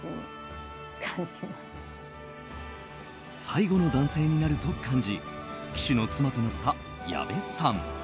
最後の男性になると感じ騎手の妻となった矢部さん。